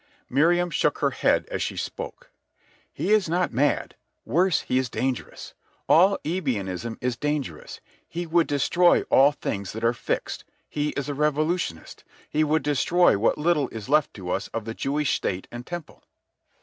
Miriam shook her head as she spoke. "He is not mad. Worse, he is dangerous. All Ebionism is dangerous. He would destroy all things that are fixed. He is a revolutionist. He would destroy what little is left to us of the Jewish state and Temple."